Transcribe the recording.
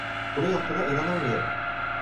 Bunu yaptığına inanamıyorum.